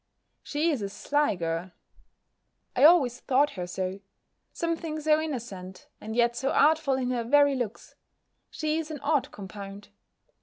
She is a sly girl. I always thought her so: something so innocent, and yet so artful in her very looks: she is an odd compound.